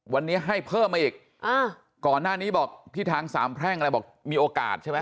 วันนี้ให้เพิ่มมาอีกก่อนหน้านี้บอกที่ทางสามแพร่งอะไรบอกมีโอกาสใช่ไหม